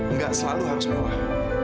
enggak selalu harus menolak